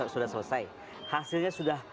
sudah selesai hasilnya sudah